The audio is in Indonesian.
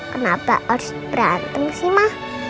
kenapa harus berantem sih mah